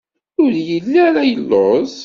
Ur yelli ara yelluẓ.